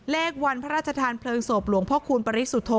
เลขวันพระราชทานเพลิงศพหลวงพ่อคูณปริสุทธโธ